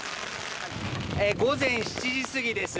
午前７時過ぎです。